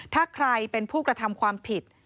ถ้าใครเป็นผู้กระทำความผิด